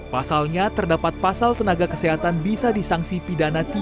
pasalnya terdapat pasal tenaga kesehatan bisa disangsi pidana